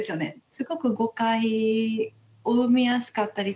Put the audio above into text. すごく誤解を生みやすかったりとか。